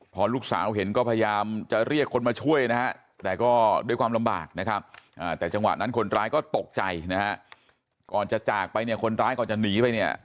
แต่จังหวะนั้นคนร้ายก็ตกใจนะครับก่อนจะจากไปเนี่ยคนร้ายก่อนจะหนีไปเนี่ย